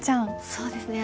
そうですね